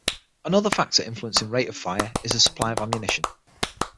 Another factor influencing rate of fire is the supply of ammunition.